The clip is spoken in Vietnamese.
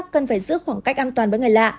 cần phải giữ khoảng cách an toàn với người lạ